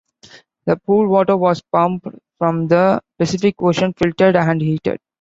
The pool water was pumped from the Pacific Ocean, filtered and heated.